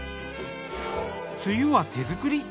つゆは手作り。